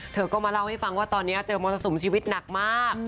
เธอก็มาเล่าให้ฟังว่าตอนนี้เจอมรสุมชีวิตหนักมาก